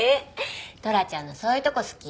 トラちゃんのそういうとこ好き。